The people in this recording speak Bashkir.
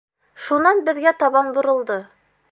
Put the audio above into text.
Шунан беҙгә табан боролдо: